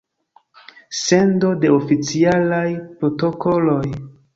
Sendo de oficialaj protokoloj.